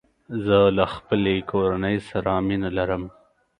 زه له خپلې کورني سره مینه لرم.